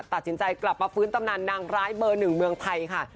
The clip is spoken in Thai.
ตัดสินใจกลับมาฟื้นตำนานนางร้ายเบอร์หนึ่งเมืองไทยค่ะ